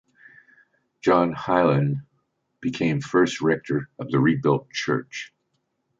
John Heylyn became first rector of the rebuilt church.